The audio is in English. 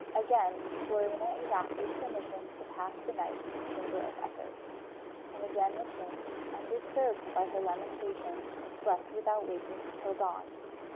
Again Florina exacted permission to pass the night in the Chamber of Echoes; and again the king, undisturbed by her lamentation, slept without waking till dawn.